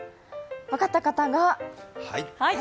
分かった方がはい！